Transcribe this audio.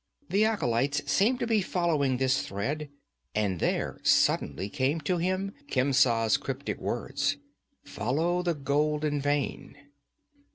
The acolytes seemed to be following this thread, and there suddenly came to him Khemsa's cryptic words 'Follow the golden vein!'